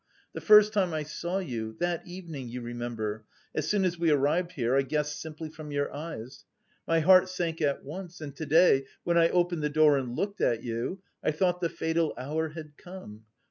The first time I saw you, that evening, you remember, as soon as we arrived here, I guessed simply from your eyes. My heart sank at once, and to day when I opened the door and looked at you, I thought the fatal hour had come.